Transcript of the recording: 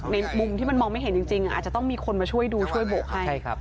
มุมที่มันมองไม่เห็นจริงอาจจะต้องมีคนมาช่วยดูช่วยโบกให้